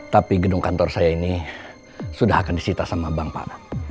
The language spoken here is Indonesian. tapi gedung kantor saya ini sudah akan disita sama bank pak